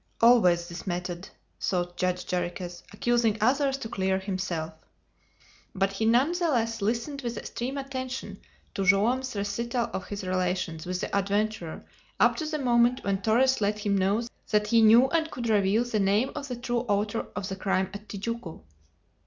"Always this method!" thought Judge Jarriquez; "accusing others to clear himself." But he none the less listened with extreme attention to Joam's recital of his relations with the adventurer up to the moment when Torres let him know that he knew and could reveal the name of the true author of the crime of Tijuco.